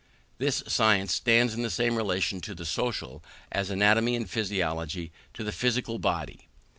This science stands in the same relation to the social, as anatomy and physiology to the physical body.